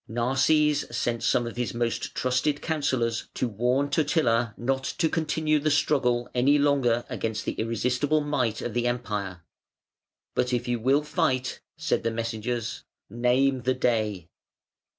Narses sent some of his most trusted counsellors to warn Totila not to continue the struggle any longer against the irresistible might of the Empire; "but if you will fight", said the messengers, "name the day".